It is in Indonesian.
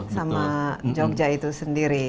sama jogja itu sendiri